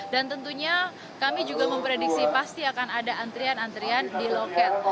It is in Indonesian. tentunya kami juga memprediksi pasti akan ada antrian antrian di loket